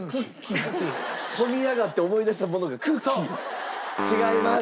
飛び上がって思い出したものがクッキー？違います。